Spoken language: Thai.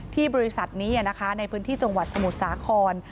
ที่บริษัทนี้ในพื้นที่จังหวัดสมุทรสาคร